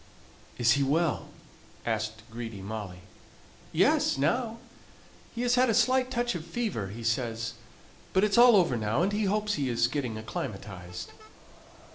"Is he well?" asked greedy Molly. "Yes, now. He has had a slight touch of fever, he says; but it's all over now, and he hopes he is getting acclimatized."